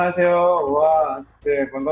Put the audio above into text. halo selamat datang